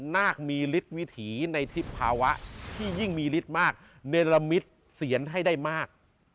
น่ากมีฤทธิในภาวะที่ยิ่งมีฤทธิมากเนรมิตเสียนให้ได้มาก